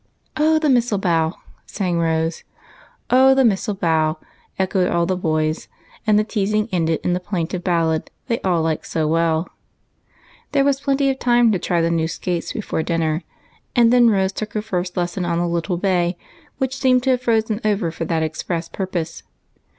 " Oh, the mistletoe bough !" sang Rose. " Oh, the mistletoe bough !" echoed all the boys, and the teasing ended in the plaintive ballad they all liked so well. UNDER THE MISTLETOE. 229 There was plenty of time to try the new skates before dinner, and then Rose took her first lesson on the little bay, which seemed to have frozen over for that express jDurpose.